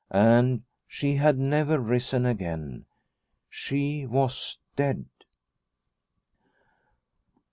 And she had never risen again. She was dead.